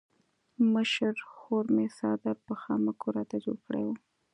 مشرې خور مې څادر په خامکو راته جوړ کړی وو.